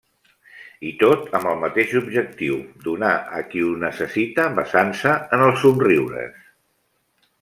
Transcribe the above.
I tot amb el mateix objectiu: donar a qui ho necessita basant-se en els somriures.